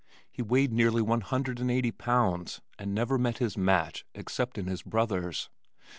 He weighed nearly one hundred and eighty pounds and never met his match except in his brothers.